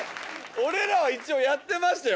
俺らは一応やってましたよ